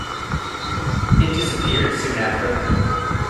It disappeared soon after.